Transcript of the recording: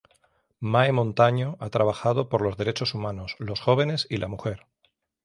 Mae Montaño ha trabajado por los derechos humanos, los jóvenes y la mujer.